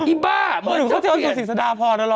อีบ้าเมื่อหนึ่งเขาชื่อสู่ศิษยาพรแล้วหรอ